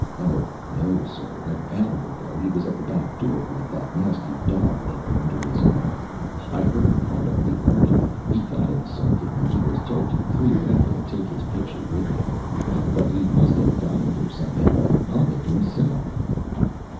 "Oh, no, sir. An hour ago he was at the back door, with that nasty daub there under his arm. I heard part of the argument. He got insulting, and he was told to clear out and take his picture with him. But he must have got in here somehow, and hung it himself."